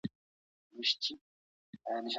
دروغ د پاچاهانو په حکم لیکل کیږي.